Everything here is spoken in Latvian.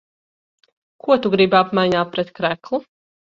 Ko tu gribi apmaiņā pret kreklu?